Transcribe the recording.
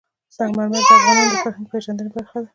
سنگ مرمر د افغانانو د فرهنګي پیژندنې برخه ده.